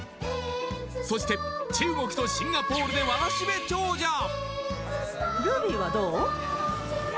そして中国とシンガポールでわらしべ長者お！